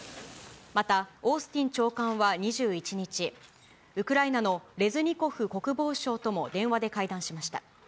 また、オースティン長官は２１日、ウクライナのレズニコフ国防相とも電話で会談しました。